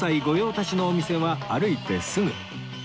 御用達のお店は歩いてすぐ